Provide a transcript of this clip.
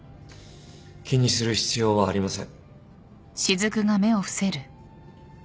気にする必要はありません。